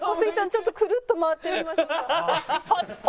ちょっとくるっと回ってみましょうか。